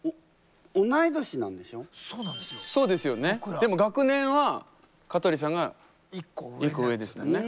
でも学年は香取さんが１個上ですよね。